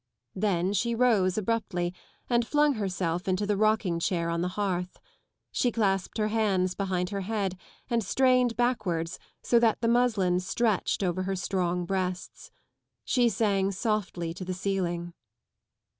Then she rose abruptly and flung herself into the rocking chair on the hearth. She clasped her hands behind her head and strained backwards so that the muslin stretched over her strong breasts. She sang saftly to the ceiling.